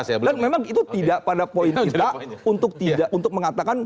memang itu tidak pada poin kita untuk mengatakan